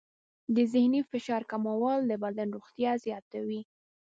د ذهني فشار کمول د بدن روغتیا زیاتوي.